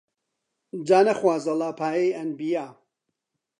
جا نەخوازەڵا پایەی ئەنبیا